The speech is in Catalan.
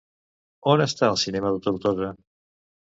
On està el cinema de Tortosa?